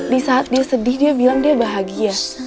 di saat dia sedih dia bilang dia bahagia